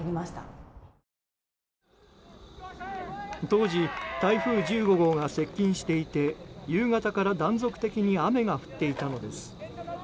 当時台風１５号が接近していて夕方から断続的に雨が降っていたのです。